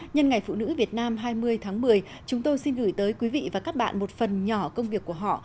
nhân ngày phụ nữ việt nam hai mươi tháng một mươi chúng tôi xin gửi tới quý vị và các bạn một phần nhỏ công việc của họ